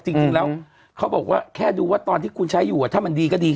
จริงแล้วเขาบอกว่าแค่ดูว่าตอนที่คุณใช้อยู่ถ้ามันดีก็ดี